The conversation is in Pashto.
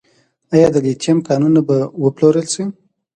آیا د لیتیم کانونه به وپلورل شي؟